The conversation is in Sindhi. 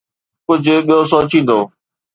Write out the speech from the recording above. ڪجهه ٻيو سوچيندو